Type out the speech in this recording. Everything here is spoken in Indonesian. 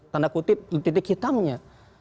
tanda kutip titik hitamnya